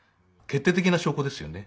決定的な証拠ですよね。